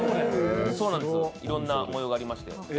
いろんな模様がありまして。